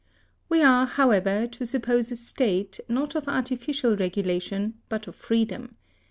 We are, however, to suppose a state, not of artificial regulation, but of freedom.